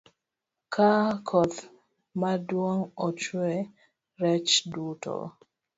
Ka koth maduong' ochwe, rech duto